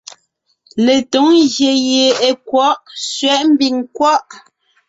Letǒŋ ngyè gie è kwɔ̌ʼ ( sẅɛ̌ʼ mbiŋ nkwɔ́ʼ).